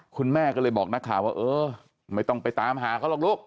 คุณแม่ก็เลยบอกนักข่าวว่าเออไม่ต้องไปตามหาเขาหรอกลูก